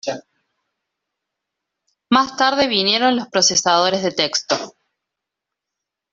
Más tarde vinieron los procesadores de texto.